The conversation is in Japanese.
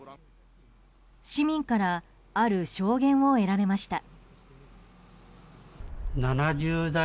市民からある証言を得られました。